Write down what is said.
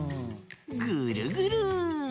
ぐるぐる。